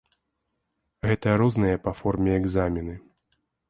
Гэта розныя па форме экзамены.